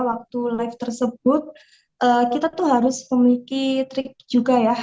waktu live tersebut kita tuh harus memiliki trik juga ya